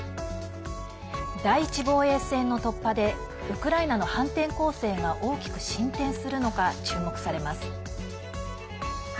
第１防衛線の突破でウクライナの反転攻勢が大きく進展するのか注目されます。